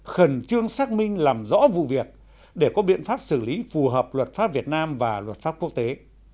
khẩn trương xác minh làm rõ vụ việc để có biện pháp xử lý phù hợp luật pháp việt nam và luật pháp quốc tế